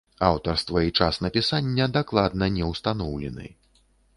Аўтарства і час напісання дакладна не ўстаноўлены.